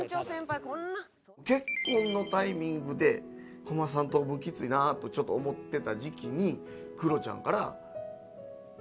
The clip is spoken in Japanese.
結婚のタイミングでこのまま三等分きついなとちょっと思ってた時期にクロちゃんから。